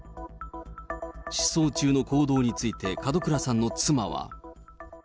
失踪中の行動について、門倉さんの妻は。